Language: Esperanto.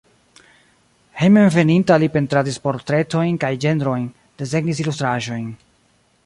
Hejmenveninta li pentradis portretojn kaj ĝenrojn, desegnis ilustraĵojn.